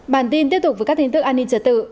bản tin tiếp tục với các tin tức an ninh trật tự